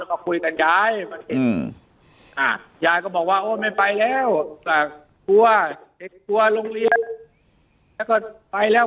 ก็คุยกันยายก็บอกว่าไม่ไปแล้วว่าลงเรียนแล้วก็ไปแล้ว